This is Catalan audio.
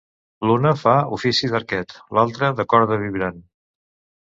L'una fa ofici d'arquet, l'altre de corda vibrant.